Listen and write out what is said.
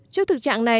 trước thực trạng này